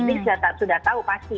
ini sudah tahu pasti